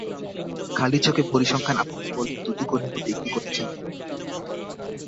খালি চোখে পরিসংখ্যান আপনাকে বলবে দুটি গোলের মধ্যে একটি করেছেন তিনি।